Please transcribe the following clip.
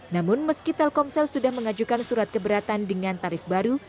namun meski telkomsel sudah mengajukan surat keberatan dengan tarif baru